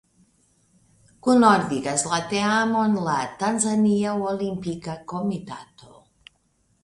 Kunordigas la teamon la Tanzania Olimpika Komitato.